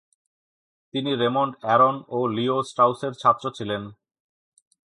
তিনি Raymond Aron ও Leo স্ট্রাউসের ছাত্র ছিলেন।